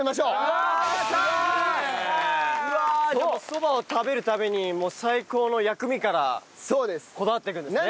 そばを食べるために最高の薬味からこだわっていくんですね。